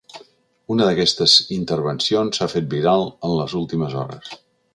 Una d’aquestes intervencions s’ha fet viral en les últimes hores.